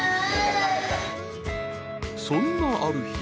そんなある日。